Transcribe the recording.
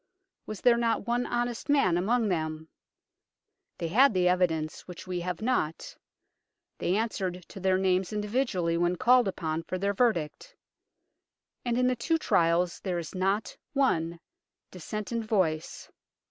Was there not one honest man among them ? They had the evidence, which we have not ; they answered to their names individually when called upon for their verdict ; and in the two trials there is not one dissentient voice.